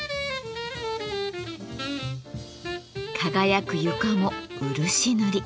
輝く床も漆塗り。